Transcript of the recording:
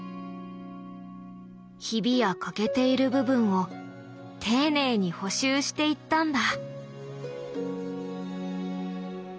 ヒビや欠けている部分を丁寧に補修していったんだ。